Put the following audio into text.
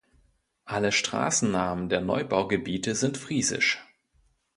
Alle Straßennamen der Neubaugebiete sind friesisch.